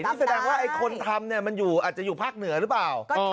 นี่แสดงว่าไอ้คนทำมันอาจจะอยู่ภาคเหนือหรือเปล่า